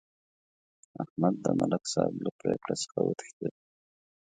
احمد د ملک صاحب له پرېکړې څخه وتښتېدا.